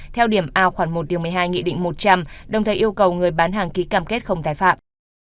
theo điểm ao khoảng một một mươi hai nghị định một trăm linh đồng thời yêu cầu người bán hàng ký cam kết không tái phạm